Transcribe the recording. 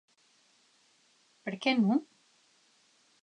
Per qué non?